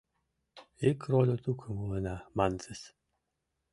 Ик родо-тукым улына, манытыс.